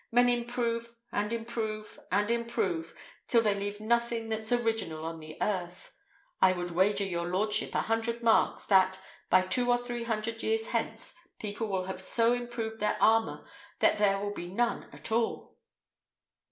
Men improve, and improve, and improve, till they leave nothing that's original on the earth. I would wager your lordship a hundred marks, that, by two or three hundred years hence, people will have so improved their armour that there will be none at all."